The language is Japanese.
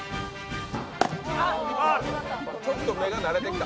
ちょっと目が慣れてきた。